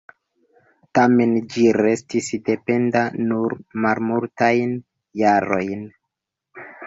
Tamen ĝi restis dependa nur malmultajn jarojn.